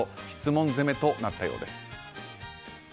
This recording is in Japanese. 質問攻めとなったようです。